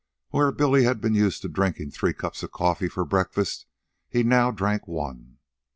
Where Billy had been used to drinking three cups of coffee for breakfast, he now drank one.